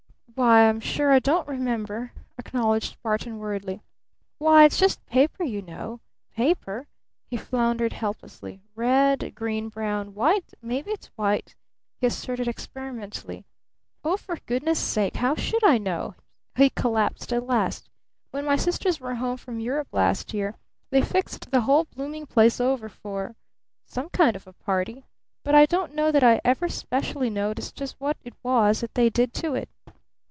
"Why, I'm sure I don't remember," acknowledged Barton worriedly. "Why, it's just paper, you know paper," he floundered helplessly. "Red, green, brown, white maybe it's white," he asserted experimentally. "Oh, for goodness' sake how should I know!" he collapsed at last. "When my sisters were home from Europe last year, they fixed the whole blooming place over for some kind of a party. But I don't know that I ever specially noticed just what it was that they did to it.